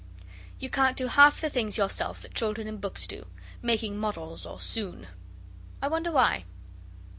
You can't do half the things yourself that children in books do, making models or soon. I wonder why?